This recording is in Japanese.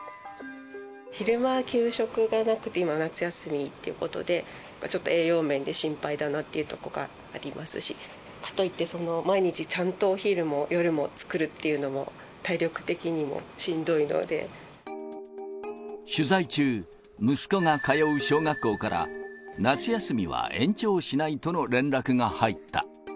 昼間、給食がなくて今、夏休みっていうことで、ちょっと栄養面で心配だなっていうところがありますし、かといって、毎日ちゃんとお昼も、夜も作るっていうのも、体力的にもしん取材中、息子が通う小学校から、夏休みは延長しないとの連絡が入った。